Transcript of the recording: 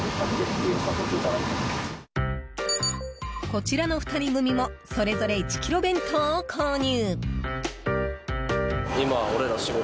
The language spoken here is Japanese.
こちらの２人組もそれぞれ１キロ弁当を購入。